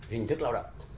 hình thức lao động